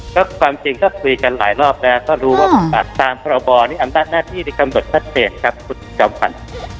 ก็ความจริงก็คุยกันหลายรอบแล้วก็รู้ว่าตามภาระบอนี้อำนาจหน้าที่เป็นกำหนดพัดเปลี่ยนครับคุณจำฝัน